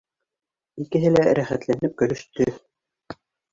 Икеһе лә рәхәтләнеп көлөштө